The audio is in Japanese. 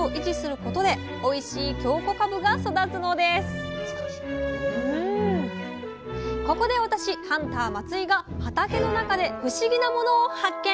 ここで私ハンター松井が畑の中で不思議なものを発見！